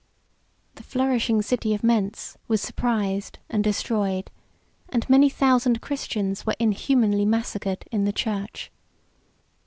The flourishing city of Mentz was surprised and destroyed; and many thousand Christians were inhumanly massacred in the church.